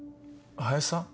林さん？